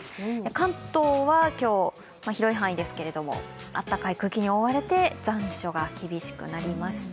関東は今日、広い範囲ですが、暖かい空気に覆われて残暑が厳しくなりました。